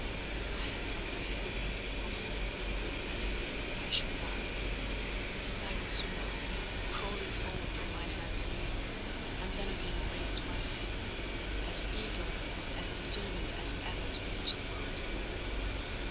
I had some fear—or hope—that here I should die: but I was soon up; crawling forwards on my hands and knees, and then again raised to my feet—as eager and as determined as ever to reach the road.